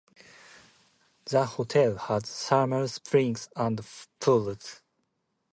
The hotel has thermal springs and pools.